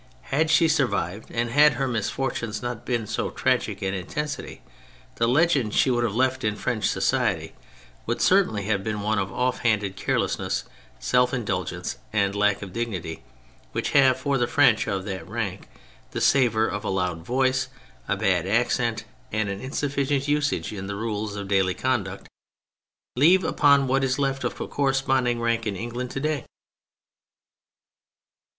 Had she survived, and had her misfortunes not been of so tragic an intensity, the legend she would have left in French society would certainly have been one of off handed care lessness, self indulgence, and lack of dignity which have for the French of that rank the savour that a loud voice, a bad accent, an insufficient usage in the rules of daily con duct, leave upon what is left of a corresponding rank in England to day.